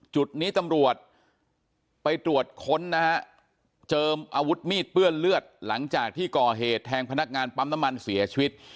จุดนี้ตำรวจไปตรวจค้นนะฮะเจิมอาวุธมีดเปื้อนเลือดหลังจากที่ก่อเหตุแทงพนักงานปั๊มน้ำมันเสียชีวิต